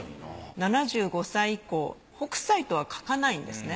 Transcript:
７５歳以降「北斎」とは書かないんですね。